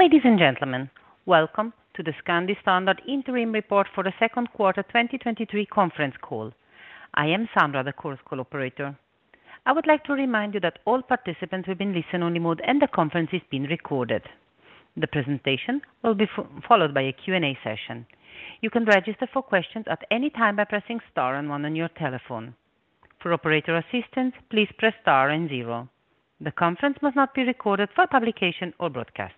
Ladies and gentlemen, welcome to the Scandi Standard Interim Report for the second quarter 2023 conference call. I am Sandra, the calls cooperator. I would like to remind you that all participants will be in listen-only mode and the conference is being recorded. The presentation will be followed by a Q&A session. You can register for questions at any time by pressing star on one on your telephone. For operator assistance, please press star and zero. The conference must not be recorded for publication or broadcast.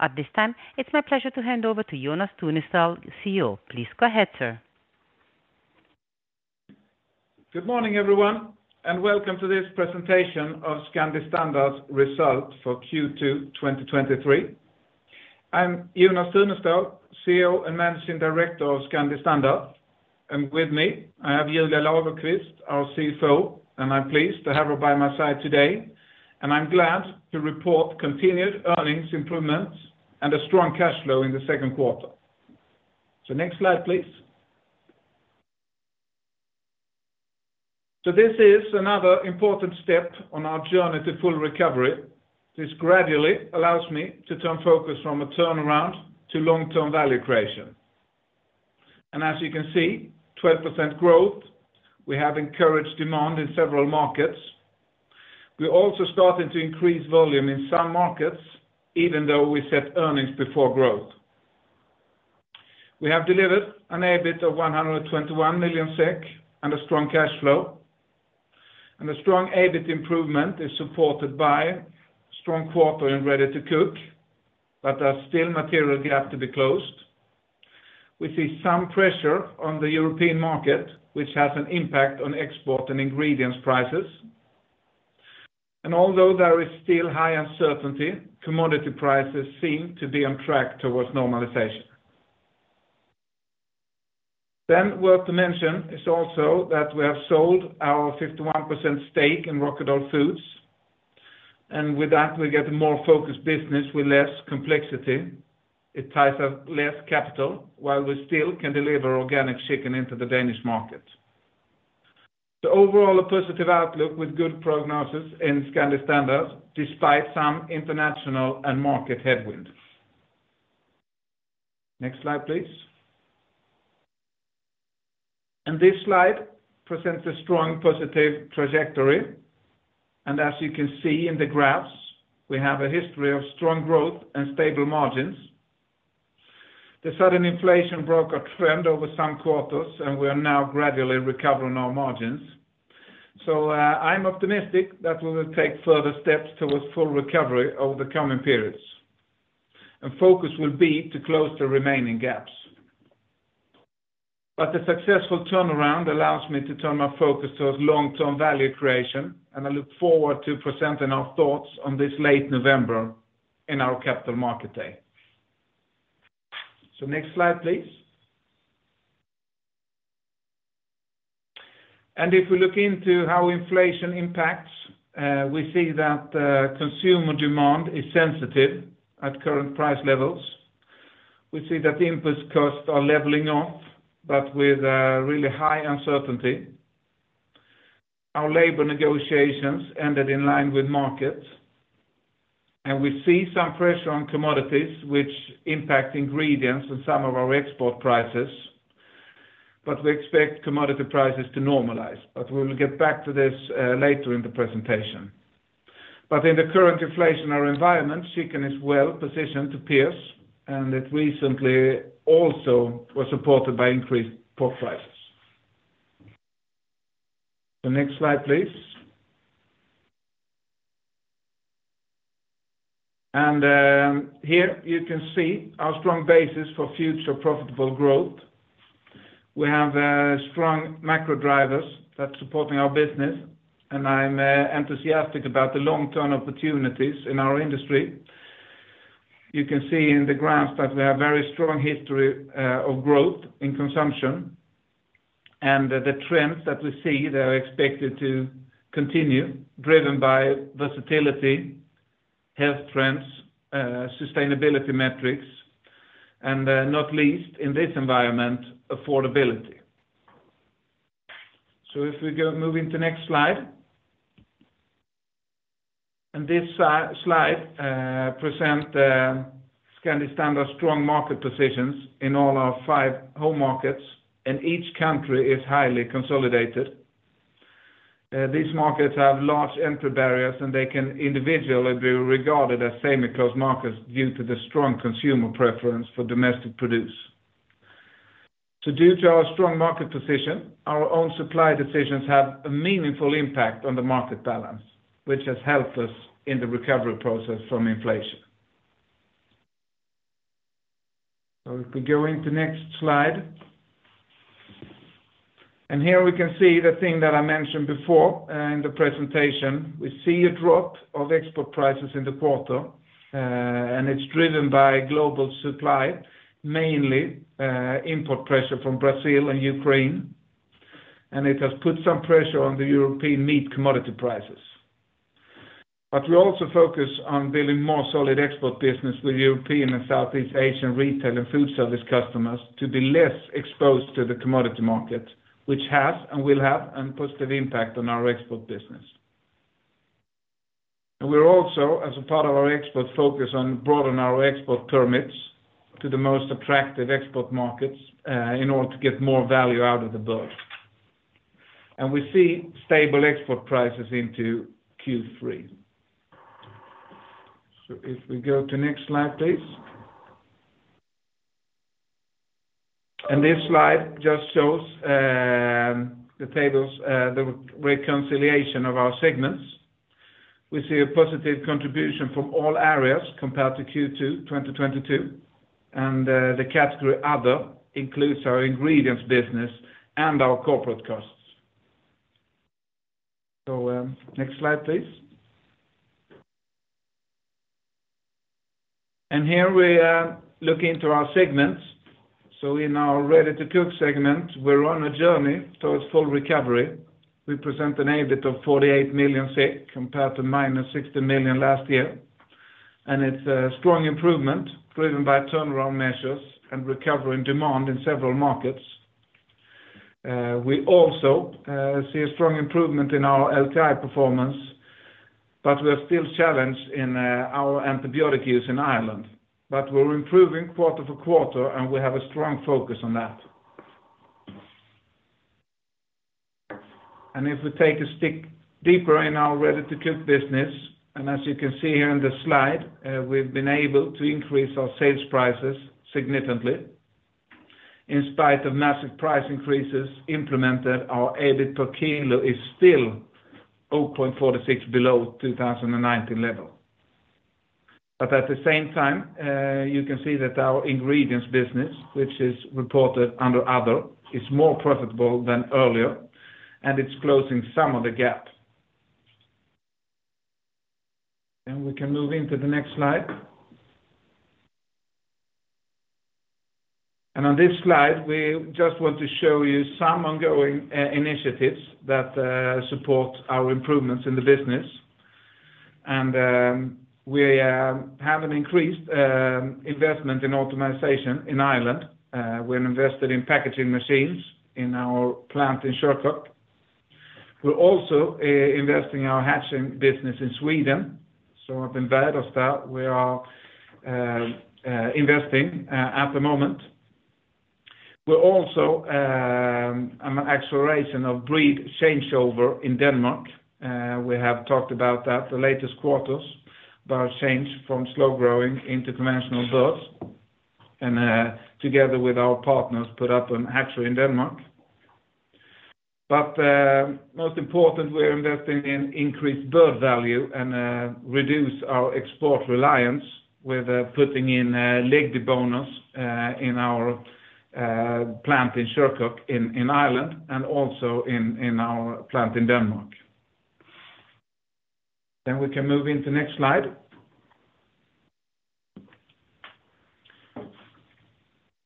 At this time, it's my pleasure to hand over to Jonas Tunestål, CEO. Please go ahead, sir. Good morning, everyone, and welcome to this presentation of Scandi Standard's result for Q2 2023. I'm Jonas Tunestål, CEO and Managing Director of Scandi Standard, with me I have Julia Lagerqvist, our CFO, and I'm pleased to have her by my side today. I'm glad to report continued earnings improvements and a strong cash flow in the second quarter. Next slide, please. This is another important step on our journey to full recovery. This gradually allows me to turn focus from a turnaround to long-term value creation. As you can see, 12% growth. We have encouraged demand in several markets. We're also starting to increase volume in some markets even though we set earnings before growth. We have delivered an EBIT of 121 million SEK and a strong cash flow. A strong EBIT improvement is supported by strong quarter in ready-to-cook but there's still material gap to be closed. We see some pressure on the European market which has an impact on export and ingredients prices. Although there is still high uncertainty commodity prices seem to be on track towards normalization. Worth to mention is also that we have sold our 51% stake in Rokkedahl Food. With that we get a more focused business with less complexity. It ties up less capital while we still can deliver organic chicken into the Danish market. Overall a positive outlook with good prognosis in Scandi Standard despite some international and market headwind. Next slide, please. This slide presents a strong positive trajectory. As you can see in the graphs we have a history of strong growth and stable margins. The sudden inflation broke a trend over some quarters and we are now gradually recovering our margins. I'm optimistic that we will take further steps towards full recovery over the coming periods. Focus will be to close the remaining gaps. The successful turnaround allows me to turn my focus towards long-term value creation and I look forward to presenting our thoughts on this late November in our Capital Markets Day. Next slide, please. If we look into how inflation impacts we see that consumer demand is sensitive at current price levels. We see that inputs costs are leveling off but with really high uncertainty. Our labor negotiations ended in line with markets. We see some pressure on commodities which impact ingredients and some of our export prices. We expect commodity prices to normalize. We will get back to this later in the presentation. In the current inflationary environment chicken is well positioned to pierce and it recently also was supported by increased pork prices. Next slide, please. Here you can see our strong basis for future profitable growth. We have strong macro drivers that's supporting our business and I'm enthusiastic about the long-term opportunities in our industry. You can see in the graphs that we have very strong history of growth in consumption. The trends that we see they're expected to continue driven by versatility, health trends, sustainability metrics, and not least in this environment affordability. If we go move into next slide. This slide presents Scandi Standard's strong market positions in all our five home markets and each country is highly consolidated. These markets have large entry barriers and they can individually be regarded as semi-closed markets due to the strong consumer preference for domestic produce. Due to our strong market position our own supply decisions have a meaningful impact on the market balance which has helped us in the recovery process from inflation. If we go into next slide. Here we can see the thing that I mentioned before in the presentation. We see a drop of export prices in the quarter and it's driven by global supply mainly import pressure from Brazil and Ukraine. It has put some pressure on the European meat commodity prices. We also focus on building more solid export business with European and Southeast Asian retail and food service customers to be less exposed to the commodity market which has and will have a positive impact on our export business. We're also as a part of our export focus on broadening our export permits to the most attractive export markets in order to get more value out of the bird. We see stable export prices into Q3. If we go to next slide, please. This slide just shows the tables the reconciliation of our segments. We see a positive contribution from all areas compared to Q2 2022. The category other includes our ingredients business and our corporate costs. Next slide, please. Here we look into our segments. In our Ready-to-cook segment we're on a journey towards full recovery. We present an EBIT of 48 million compared to -60 million last year. It's a strong improvement driven by turnaround measures and recovering demand in several markets. We also see a strong improvement in our LTI performance but we're still challenged in our antibiotic use in Ireland. We're improving quarter for quarter and we have a strong focus on that. If we take a stick deeper in our ready-to-cook business and as you can see here in the slide we've been able to increase our sales prices significantly. In spite of massive price increases implemented our EBIT per kilo is still 0.46 below 2019 level. At the same time you can see that our ingredients business which is reported under other is more profitable than earlier and it's closing some of the gap. We can move into the next slide. On this slide we just want to show you some ongoing initiatives that support our improvements in the business. We have an increased investment in automatization in Ireland. We're invested in packaging machines in our plant in Shirkop. We're also investing in our hatching business in Sweden. Up in Vårgårda we are investing at the moment. We're also an acceleration of breed changeover in Denmark. We have talked about that the latest quarters about change from slow growing into conventional birds. Together with our partners put up an hatchery in Denmark. Most important we're investing in increased bird value and reduce our export reliance with putting in leg deboners in our plant in Shirkop in Ireland and also in our plant in Denmark. We can move into next slide.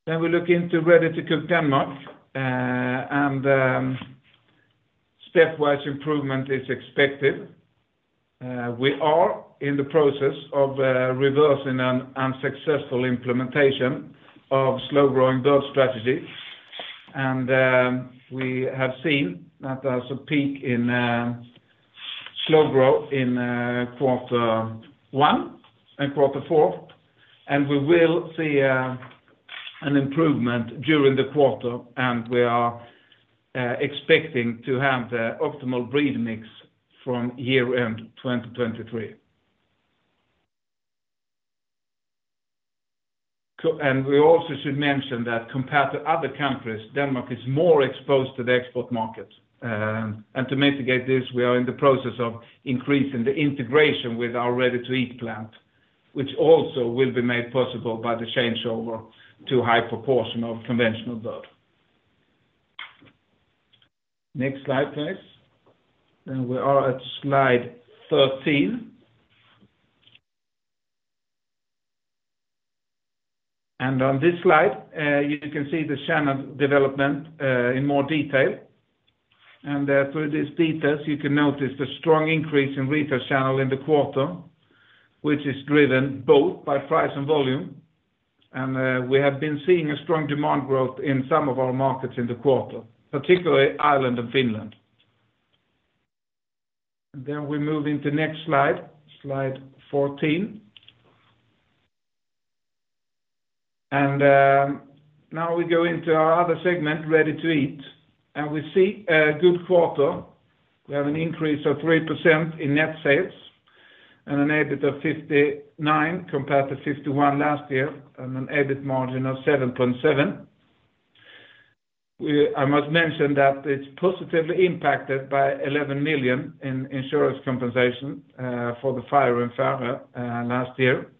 We look into Ready-to-cook Denmark. Stepwise improvement is expected. We are in the process of reversing an unsuccessful implementation of slow growing bird strategy. We have seen that there's a peak in slow grow in quarter one and quarter four. We will see an improvement during the quarter and we are expecting to have the optimal breed mix from year-end 2023. We also should mention that compared to other countries Denmark is more exposed to the export market. To mitigate this we are in the process of increasing the integration with our ready-to-eat plant which also will be made possible by the changeover to high proportion of conventional bird. Next slide, please. We are at slide 13. On this slide you can see the channel development in more detail. Through these details you can notice the strong increase in retail channel in the quarter which is driven both by price and volume. We have been seeing a strong demand growth in some of our markets in the quarter particularly Ireland and Finland. We move into next slide slide 14. Now we go into our other segment Ready-to-eat. We see a good quarter. We have an increase of 3% in net sales and an EBIT of 59 compared to 51 last year and an EBIT margin of 7.7%. I must mention that it's positively impacted by 11 million in insurance compensation for the fire in Farre last year.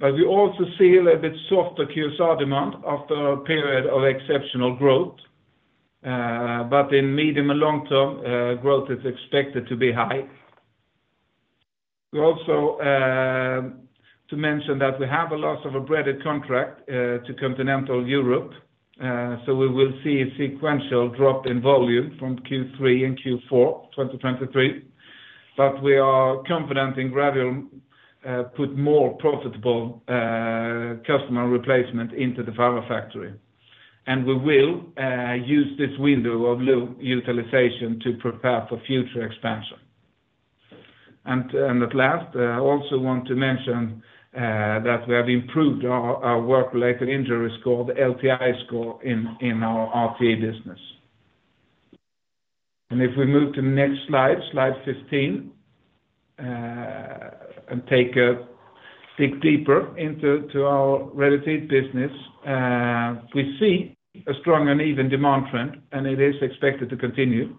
We also see a little bit softer QSR demand after a period of exceptional growth. In medium and long-term growth it's expected to be high. We also to mention that we have a loss of a breaded contract to Continental Europe. We will see a sequential drop in volume from Q3 and Q4 2023. We are confident in gradual put more profitable customer replacement into the Farre factory. We will use this window of utilization to prepare for future expansion. At last I also want to mention that we have improved our work-related injury score the LTI score in our RTE business. If we move to the next slide slide 15. Take a dig deeper into our ready-to-eat business. We see a strong and even demand trend and it is expected to continue.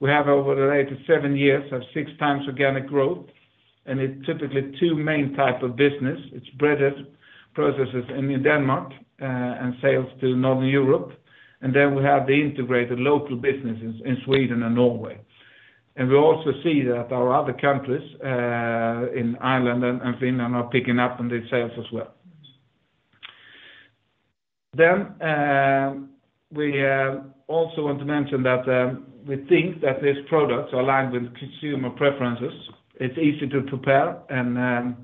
We have over the latest 7 years have 6 times organic growth. It's typically 2 main type of business. It's breaded processes in Denmark and sales to northern Europe. Then we have the integrated local businesses in Sweden and Norway. We also see that our other countries in Ireland and Finland are picking up on these sales as well. We also want to mention that we think that these products are aligned with consumer preferences. It's easy to prepare and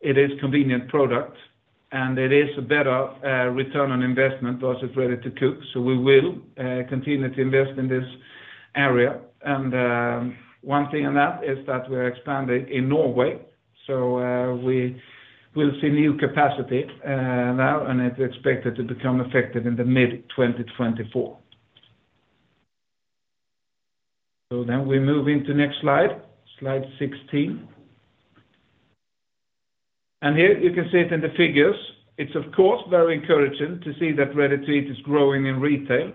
it is a convenient product. It is a better return on investment versus Ready-to-cook. We will continue to invest in this area. One thing in that is that we're expanding in Norway. We will see new capacity now and it's expected to become effective in the mid-2024. We move into next slide slide 16. Here you can see it in the figures. It's of course very encouraging to see that Ready-to-eat is growing in retail.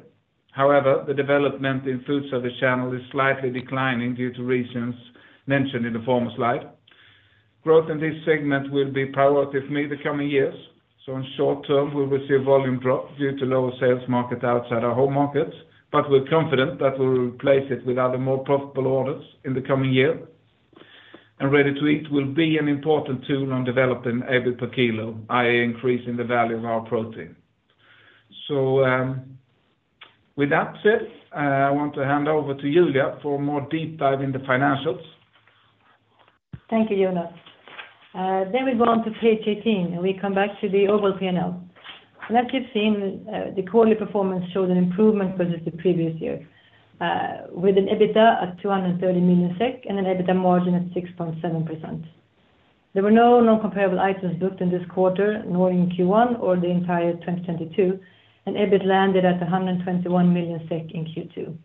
However the development in food service channel is slightly declining due to reasons mentioned in the former slide. Growth in this segment will be priority for me the coming years. In short term we will see a volume drop due to lower sales market outside our home markets. We're confident that we'll replace it with other more profitable orders in the coming year. Ready-to-eat will be an important tool on developing EBIT per kilo i.e. increasing the value of our protein. With that said I want to hand over to Julia for a more deep dive in the financials. Thank you Jonas. We go on to page 18 and we come back to the overall P&L. As you've seen the quarterly performance showed an improvement versus the previous year with an EBITDA at 230 million SEK and an EBITDA margin at 6.7%. There were no non-comparable items booked in this quarter nor in Q1 or the entire 2022. EBIT landed at 121 million SEK in Q2.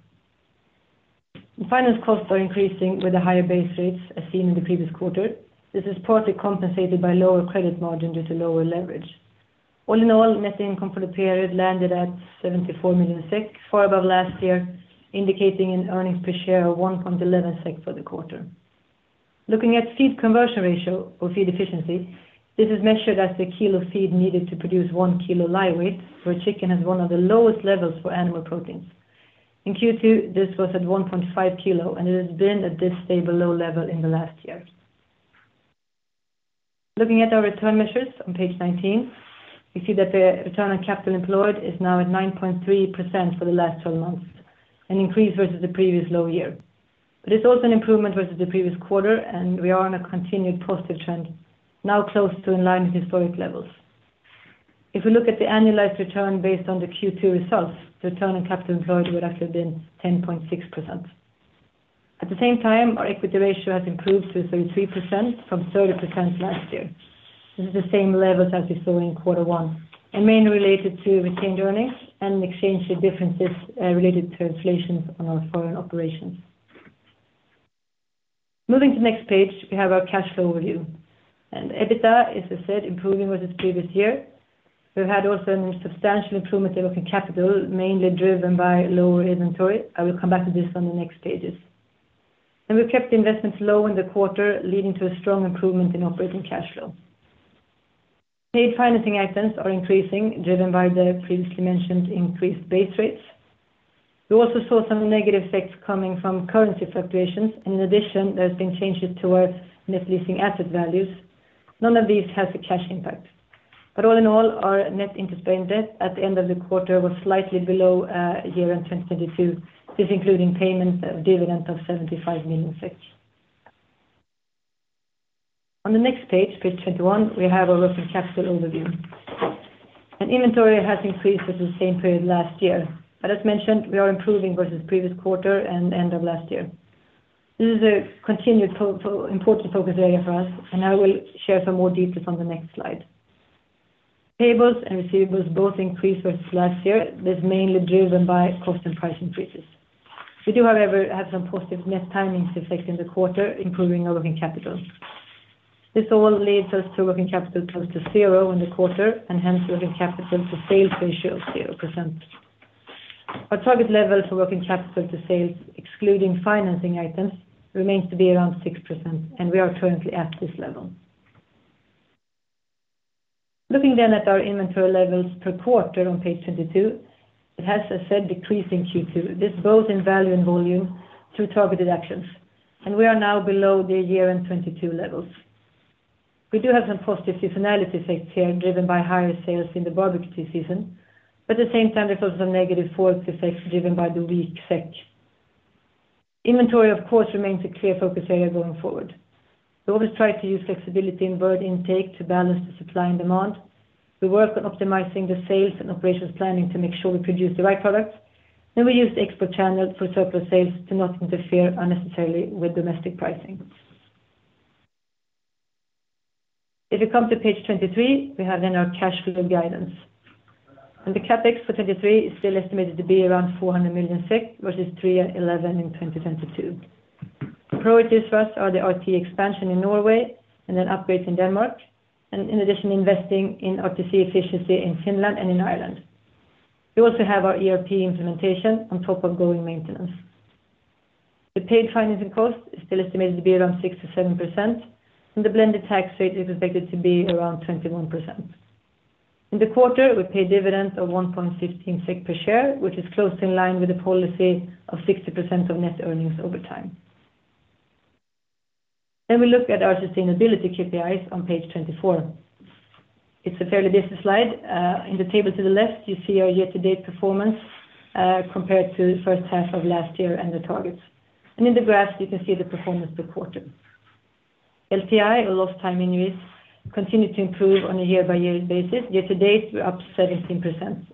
Finance costs are increasing with the higher base rates as seen in the previous quarter. This is partly compensated by lower credit margin due to lower leverage. All in all net income for the period landed at 74 million SEK far above last year indicating an earnings per share of 1.11 SEK for the quarter. Looking at feed conversion ratio or feed efficiency this is measured as the kilo feed needed to produce 1 kilo live weight where chicken has one of the lowest levels for animal proteins. In Q2 this was at 1.5 kilo and it has been at this stable low level in the last year. Looking at our return measures on page 19 we see that the return on capital employed is now at 9.3% for the last 12 months. An increase versus the previous low year. It's also an improvement versus the previous quarter and we are on a continued positive trend now close to in line with historic levels. If we look at the annualized return based on the Q2 results the return on capital employed would actually have been 10.6%. At the same time our equity ratio has improved to 33% from 30% last year. This is the same levels as we saw in quarter one and mainly related to retained earnings and exchange rate differences related to inflations on our foreign operations. Moving to the next page we have our cash flow overview. EBITDA as I said improving versus previous year. We've had also a substantial improvement in working capital mainly driven by lower inventory. I will come back to this on the next pages. We've kept the investments low in the quarter leading to a strong improvement in operating cash flow. Paid financing items are increasing driven by the previously mentioned increased base rates. We also saw some negative effects coming from currency fluctuations. In addition, there's been changes to our net leasing asset values. None of these has a cash impact. All in all, our net interest-bearing debt at the end of the quarter was slightly below year-end 2022. This including payments of dividend of 75 million. On the next page, page 21, we have our working capital overview. Inventory has increased versus the same period last year. As mentioned, we are improving versus previous quarter and end of last year. This is a continued important focus area for us and I will share some more details on the next slide. Tables and receivables both increased versus last year. This is mainly driven by cost and price increases. We do however have some positive net timings effect in the quarter improving our working capital. This all leads us to working capital close to 0 in the quarter and hence working capital to sales ratio of 0%. Our target level for working capital to sales excluding financing items remains to be around 6% and we are currently at this level. Looking at our inventory levels per quarter on page 22 it has as said decreased in Q2. This both in value and volume through targeted actions. We are now below the year-end 2022 levels. We do have some positive seasonality effects here driven by higher sales in the barbecue season. At the same time there's also some negative force effects driven by the weak SEK. Inventory of course remains a clear focus area going forward. We always try to use flexibility in bird intake to balance the supply and demand. We work on optimizing the Sales and Operations Planning to make sure we produce the right products. We use the export channel for surplus sales to not interfere unnecessarily with domestic pricing. If we come to page 23 we have then our cash flow guidance. The CapEx for 2023 is still estimated to be around 400 million SEK versus 311 in 2022. Priorities for us are the RTE expansion in Norway and then upgrades in Denmark. In addition investing in RTC efficiency in Finland and in Ireland. We also have our ERP implementation on top of going maintenance. The paid financing cost is still estimated to be around 6%-7%. The blended tax rate is expected to be around 21%. In the quarter we paid dividend of 1.15 SEK per share which is close to in line with the policy of 60% of net earnings over time. We look at our sustainability KPIs on page 24. It's a fairly busy slide. In the table to the left you see our year-to-date performance compared to 1st half of last year and the targets. In the graphs you can see the performance per quarter. LTI or Lost Time Injury continue to improve on a year-by-year basis. Year-to-date we're up 17%.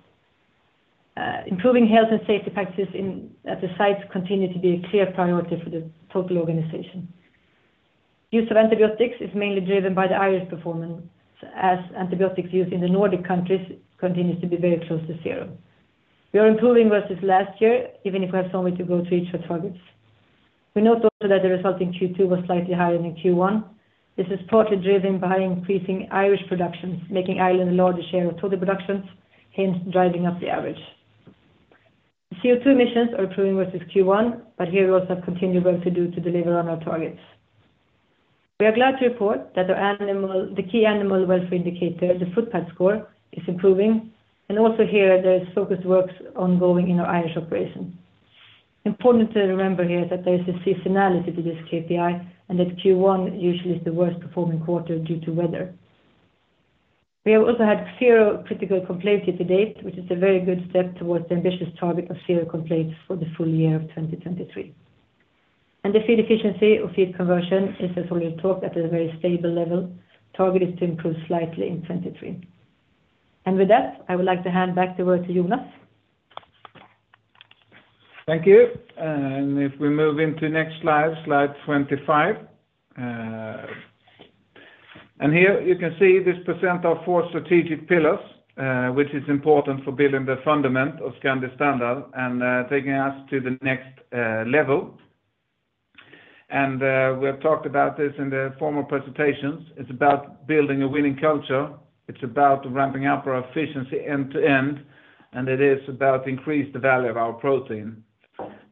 Improving health and safety practices in at the sites continue to be a clear priority for the total organization. Use of antibiotics is mainly driven by the Irish performance as antibiotics used in the Nordic countries continues to be very close to 0. We are improving versus last year even if we have some way to go to reach our targets. We note also that the resulting Q2 was slightly higher than Q1. This is partly driven by increasing Irish productions making Ireland a larger share of total productions hence driving up the average. CO2 emissions are improving versus Q1. Here we also have continued work to do to deliver on our targets. We are glad to report that our animal the key animal welfare indicator the footpad score is improving. Also here there is focused works ongoing in our Irish operation. Important to remember here is that there is a seasonality to this KPI and that Q1 usually is the worst performing quarter due to weather. We have also had zero critical complaints year-to-date which is a very good step towards the ambitious target of zero complaints for the full year of 2023. The feed efficiency or feed conversion is as already talked at a very stable level. Target is to improve slightly in 2023. With that I would like to hand back the word to Jonas. Thank you. If we move into next slide, slide 25. Here you can see this percent of 4 strategic pillars which is important for building the fundament of Scandi Standard and taking us to the next level. We have talked about this in the former presentations. It's about building a winning culture. It's about ramping up our efficiency end to end. It is about increased the value of our protein.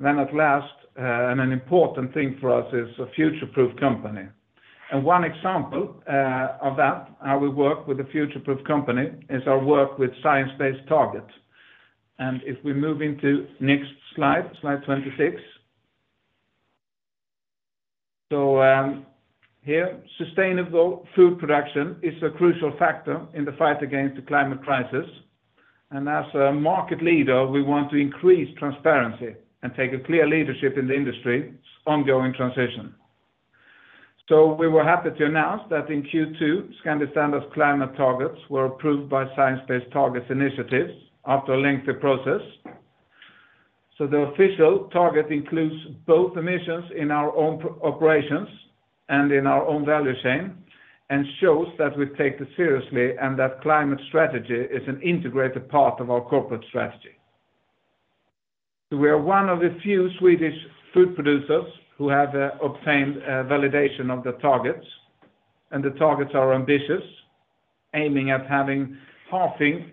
At last and an important thing for us is a future-proof company. One example of that how we work with a future-proof company is our work with Science-Based Targets. If we move into next slide slide 26. Here sustainable food production is a crucial factor in the fight against the climate crisis. As a market leader we want to increase transparency and take a clear leadership in the industry. Ongoing transition. We were happy to announce that in Q2 Scandi Standard's climate targets were approved by Science Based Targets initiative after a lengthy process. The official target includes both emissions in our own operations and in our own value chain and shows that we take this seriously and that climate strategy is an integrated part of our corporate strategy. We are one of the few Swedish food producers who have obtained validation of the targets. The targets are ambitious aiming at having halving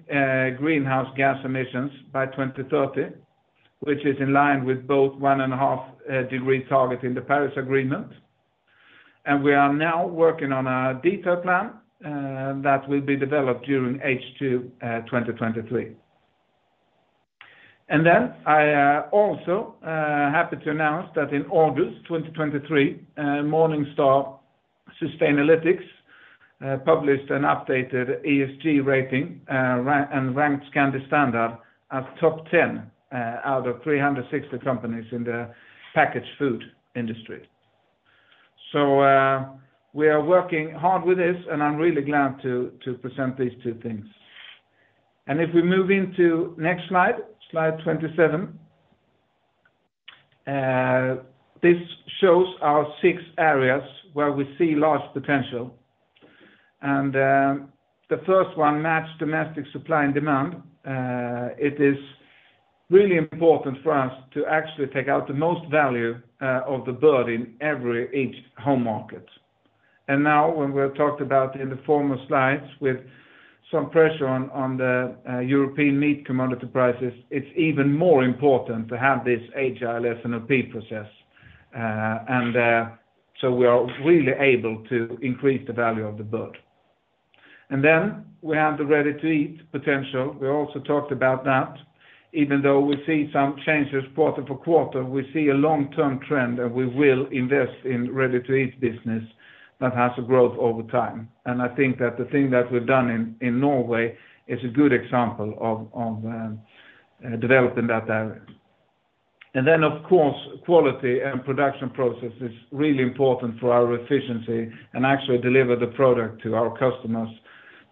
greenhouse gas emissions by 2030 which is in line with both 1.5 degree target in the Paris Agreement. We are now working on a detailed plan that will be developed during H2 2023. I also happy to announce that in August 2023 Morningstar Sustainalytics published an updated ESG rating and ranked Scandi Standard as top 10 out of 360 companies in the packaged food industry. We are working hard with this and I'm really glad to present these two things. If we move into next slide slide 27. This shows our 6 areas where we see large potential. The first one matches domestic supply and demand. It is really important for us to actually take out the most value of the bird in every each home market. Now when we've talked about in the former slides with some pressure on the European meat commodity prices it's even more important to have this S&OP and OP process. So we are really able to increase the value of the bird. Then we have the ready-to-eat potential. We also talked about that. Even though we see some changes quarter for quarter we see a long-term trend and we will invest in ready-to-eat business that has a growth over time. I think that the thing that we've done in Norway is a good example of developing that area. Then of course quality and production process is really important for our efficiency and actually deliver the product to our customers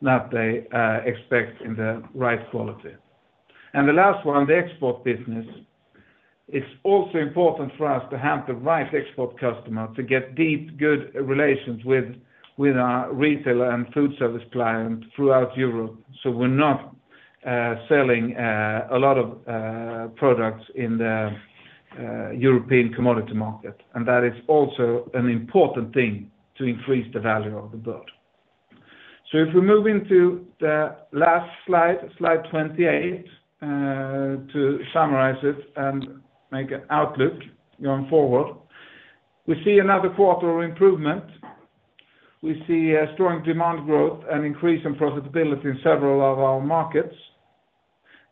that they expect in the right quality. The last one the export business. It's also important for us to have the right export customer to get deep good relations with our retailer and food service client throughout Europe. We're not selling a lot of products in the European commodity market. That is also an important thing to increase the value of the bird. If we move into the last slide, slide 28 to summarize it and make an outlook going forward we see another quarter of improvement. We see strong demand growth and increase in profitability in several of our markets.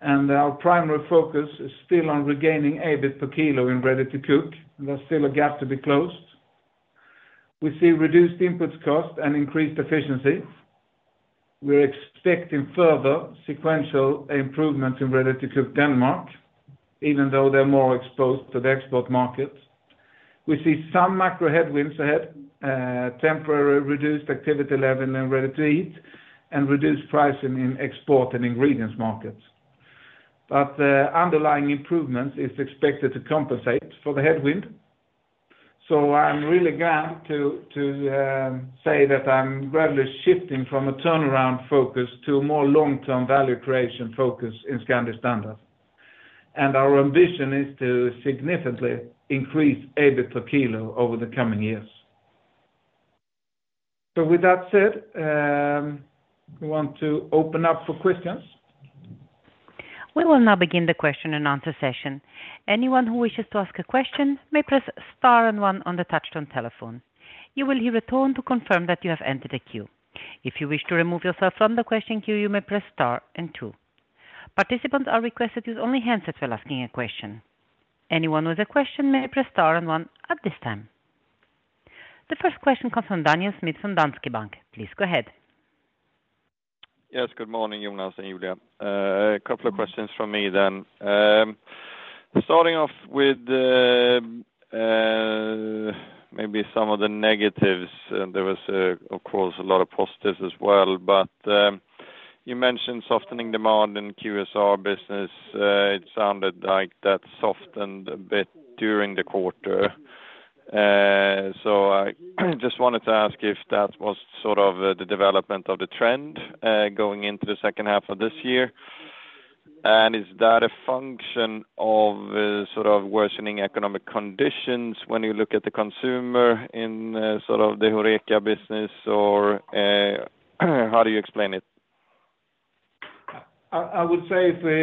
Our primary focus is still on regaining EBIT per kilo in ready-to-cook. There's still a gap to be closed. We see reduced inputs cost and increased efficiency. We're expecting further sequential improvements in Ready-to-cook Denmark even though they're more exposed to the export market. We see some macro headwinds ahead temporary reduced activity level in Ready-to-eat and reduced pricing in export and ingredients markets. The underlying improvements is expected to compensate for the headwind. I'm really glad to say that I'm gradually shifting from a turnaround focus to a more long-term value creation focus in Scandi Standard. Our ambition is to significantly increase EBIT per kilo over the coming years. With that said we want to open up for questions. We will now begin the question and answer session. Anyone who wishes to ask a question may press star 1 on the touchdown telephone. You will hear a tone to confirm that you have entered a queue. If you wish to remove yourself from the question queue you may press star and two. Participants are requested to use only handsets while asking a question. Anyone with a question may press star and one at this time. The first question comes from Daniel Schmidt from Danske Bank. Please go ahead. Yes good morning Jonas and Julia. A couple of questions from me then. Starting off with maybe some of the negatives. There was of course a lot of positives as well. You mentioned softening demand in QSR business. It sounded like that softened a bit during the quarter. I just wanted to ask if that was sort of the development of the trend going into the second half of this year. Is that a function of sort of worsening economic conditions when you look at the consumer in sort of the Horeca business or how do you explain it? I I would say if we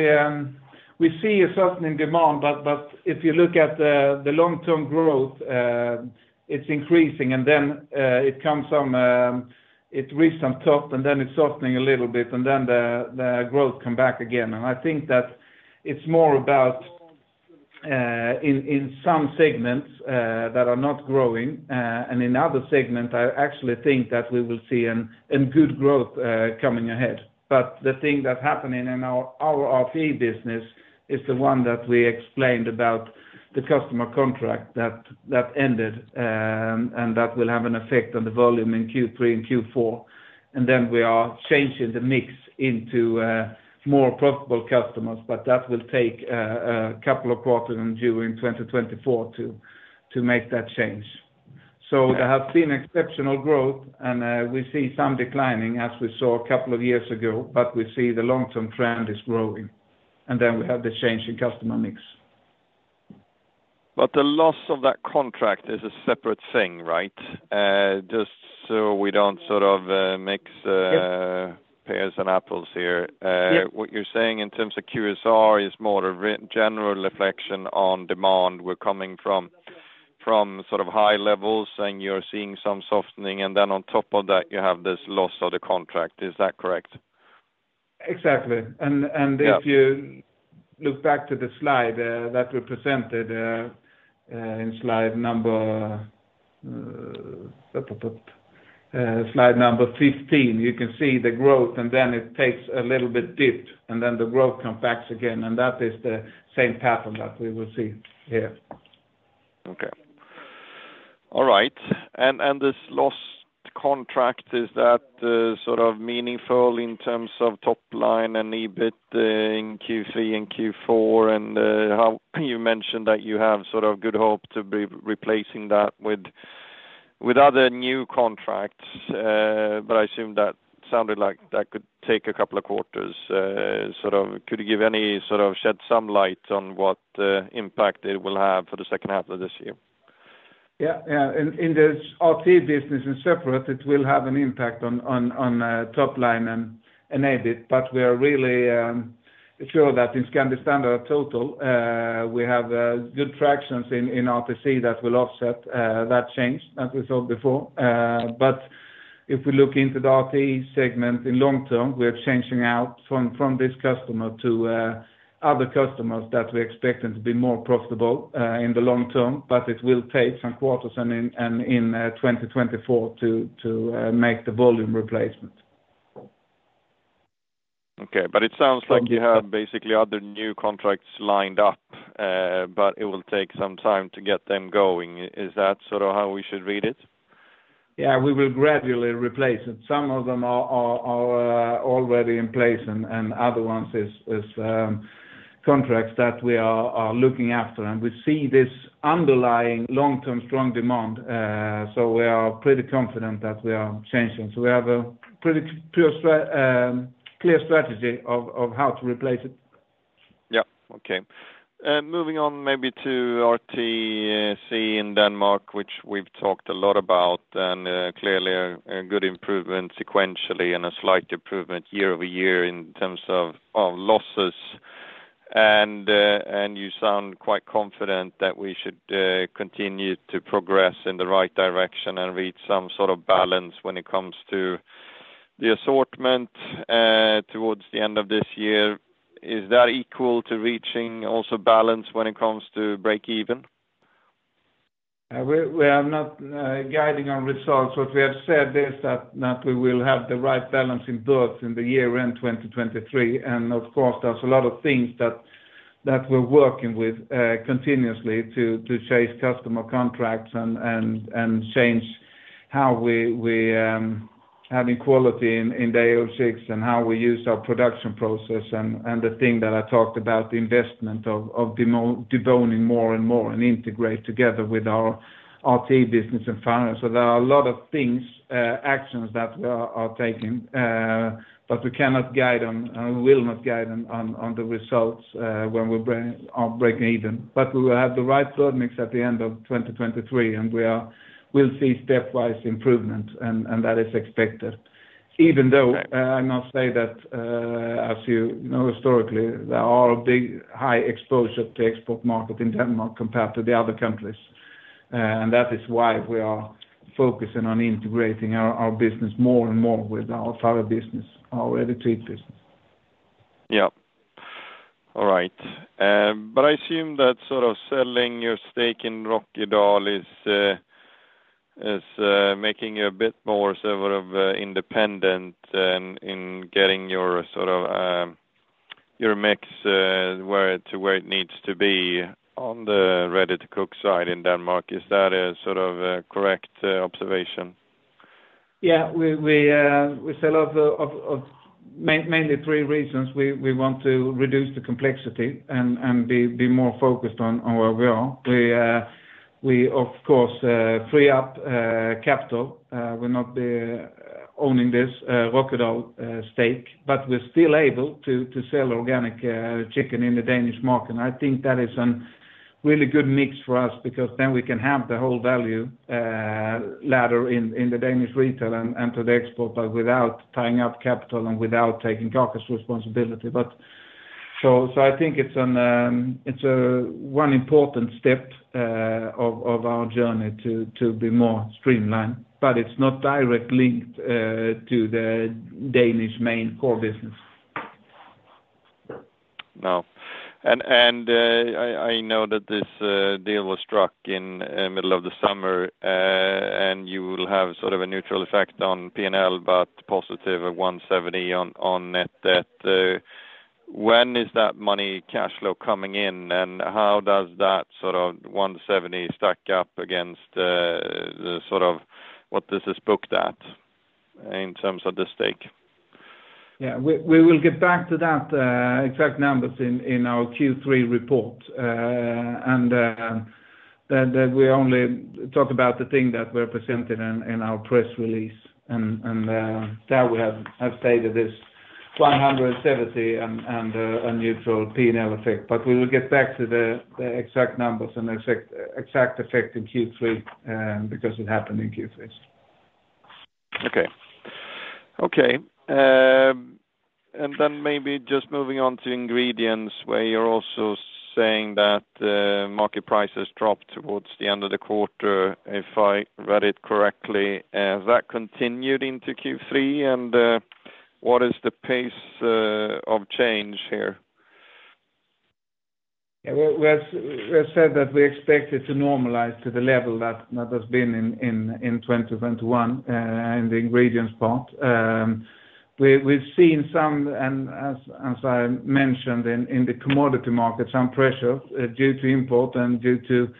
we see a softening demand but but if you look at the the long-term growth it's increasing and then it comes from it reached some top and then it's softening a little bit and then the the growth come back again. I think that it's more about in in some segments that are not growing and in other segments I actually think that we will see an an good growth coming ahead. The thing that's happening in our our Ready-to-cook business is the one that we explained about the customer contract that that ended and that will have an effect on the volume in Q3 and Q4. Then we are changing the mix into more profitable customers. That will take a couple of quarters in June 2024 to make that change. There has been exceptional growth and we see some declining as we saw a couple of years ago. We see the long-term trend is growing. Then we have the change in customer mix. The loss of that contract is a separate thing right? Just so we don't sort of mix pears and apples here. What you're saying in terms of QSR is more of a general reflection on demand we're coming from sort of high levels and you're seeing some softening and then on top of that you have this loss of the contract. Is that correct? Exactly. If you look back to the slide that we presented in slide number 15, you can see the growth, and then it takes a little bit dip, and then the growth comes back again. That is the same pattern that we will see here. Okay. All right. This lost contract, is that sort of meaningful in terms of top line and EBIT in Q3 and Q4, and how you mentioned that you have sort of good hope to be replacing that with other new contracts? I assume that sounded like that could take a couple of quarters. Could you give any sort of shed some light on what impact it will have for the second half of this year? Yeah, yeah. In this Ready-to-cook business in separate it will have an impact on top line and EBIT. We are really sure that in Scandi Standard total we have good tractions in RTC that will offset that change as we saw before. If we look into the RT segment in long term we are changing out from this customer to other customers that we expect them to be more profitable in the long term. It will take some quarters and in 2024 to make the volume replacement. Okay. It sounds like you have basically other new contracts lined up. It will take some time to get them going. Is that sort of how we should read it? Yeah, we will gradually replace it. Some of them are already in place and other ones is contracts that we are looking after. We see this underlying long-term strong demand. We are pretty confident that we are changing. We have a pretty pure clear strategy of how to replace it. Yep. Okay. Moving on maybe to RTC in Denmark which we've talked a lot about. Clearly a good improvement sequentially and a slight improvement year-over-year in terms of losses. You sound quite confident that we should continue to progress in the right direction and reach some sort of balance when it comes to the assortment towards the end of this year. Is that equal to reaching also balance when it comes to break even? We are not guiding on results. What we have said is that that we will have the right balance in both in the year end 2023. Of course there's a lot of things that that we're working with continuously to to chase customer contracts and and and change how we we have in quality in in day 06 and how we use our production process. The thing that I talked about the investment of of deboning more and more and integrate together with our RTE business in Finland. There are a lot of things actions that we are are taking. We cannot guide them and we will not guide them on on the results when we're breaking even. We will have the right bird mix at the end of 2023. We are we'll see stepwise improvement. That is expected. Even though I must say that as you know historically there are a big high exposure to export market in Denmark compared to the other countries. That is why we are focusing on integrating our our business more and more with our Farre business our ready-to-eat business. Yep. All right. I assume that sort of selling your stake in Rokkedahl is is making you a bit more sort of independent in in getting your sort of your mix where it to where it needs to be on the ready-to-cook side in Denmark. Is that a sort of correct observation? Yeah we sell off of mainly three reasons. We we want to reduce the complexity and and be be more focused on on where we are. We we of course free up capital. We'll not be owning this Rokkedahl stake. We're still able to sell organic chicken in the Danish market. I think that is a really good mix for us because then we can have the whole value ladder in the Danish retail and to the export but without tying up capital and without taking carcass responsibility. So I think it's a one important step of our journey to be more streamlined. It's not direct linked to the Danish main core business. No. I know that this deal was struck in middle of the summer. You will have sort of a neutral effect on P&L but positive at 170 on net debt. When is that money cash flow coming in? How does that sort of 170 stack up against the sort of what this is booked at in terms of the stake? Yeah, we we will get back to that exact numbers in in our Q3 report. That that we only talk about the thing that we're presenting in in our press release. And there we have have stated this 170 and and a neutral P&L effect. We will get back to the the exact numbers and the exact exact effect in Q3 because it happened in Q3. Okay. Okay. Then maybe just moving on to ingredients where you're also saying that market prices dropped towards the end of the quarter if I read it correctly? Has that continued into Q3? What is the pace of change here? Yeah we're said that we expect it to normalize to the level that has been in 2021 in the ingredients part. We've seen some and as I mentioned in the commodity market some pressure due to import and due to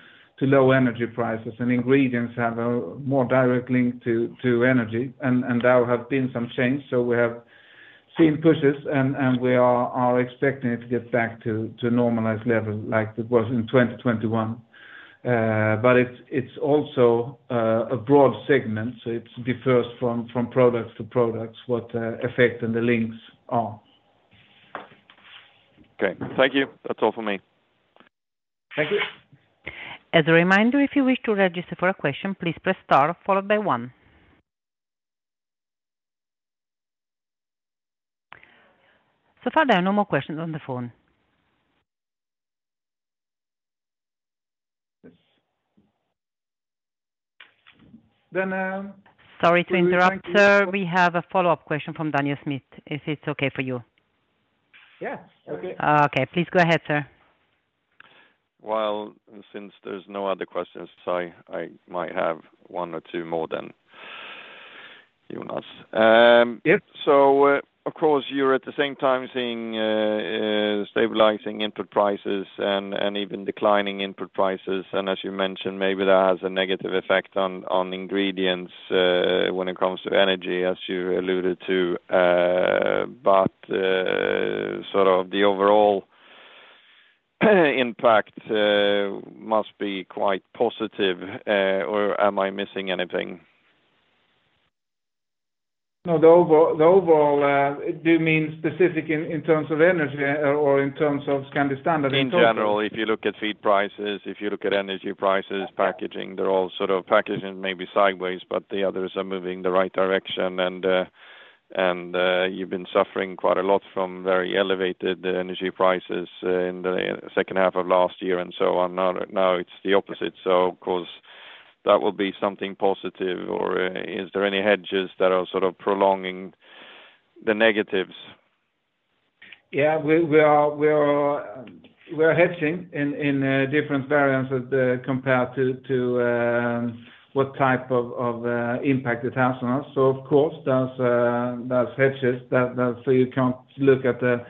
low energy prices. Ingredients have a more direct link to energy. There have been some changes. We have seen pushes. We are expecting it to get back to normalized levels like it was in 2021. It's also a broad segment. It differs from products to products what the effect and the links are. Okay. Thank you. That's all from me. Thank you. As a reminder if you wish to register for a question please press star followed by 1. So far there are no more questions on the phone. Yes. Sorry to interrupt sir. We have a follow-up question from Daniel Schmidt if it's okay for you. Yeah okay. Okay please go ahead sir. Well since there's no other questions I might have one or two more than Jonas. Yep. Of course you're at the same time seeing stabilizing input prices and even declining input prices. As you mentioned maybe that has a negative effect on ingredients when it comes to energy as you alluded to. Sort of the overall impact must be quite positive. Am I missing anything? No the overall it do mean specific in terms of energy or in terms of Scandi Standard in total? In general. If you look at feed prices if you look at energy prices packaging they're all sort of packaging maybe sideways but the others are moving the right direction. You've been suffering quite a lot from very elevated energy prices in the second half of last year and so on. Now now it's the opposite. Of course that will be something positive. Is there any hedges that are sort of prolonging the negatives? Yeah we are hedging in different variants of the compared to what type of impact it has on us. Of course there's there's hedges. That's so you can't look at the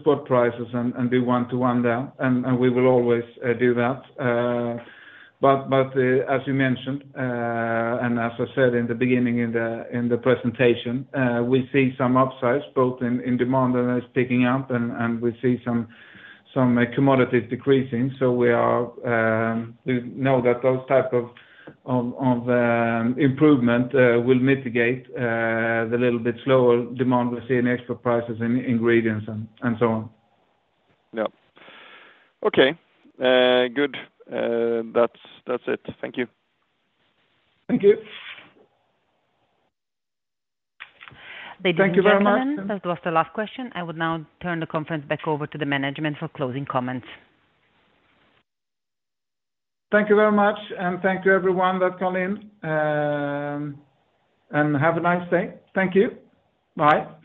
spot prices and do one to one there. We will always do that. As you mentioned and as I said in the beginning in the presentation we see some upsides both in in demand that is picking up and we see some commodities decreasing. We are we know that those type of improvement will mitigate the little bit slower demand we see in export prices in ingredients and so on. Yep. Okay. Good. That's that's it. Thank you. Thank you. They didn't answer them. Thank you very much. That was the last question. I would now turn the conference back over to the management for closing comments. Thank you very much. Thank you everyone that called in. Have a nice day. Thank you. Bye.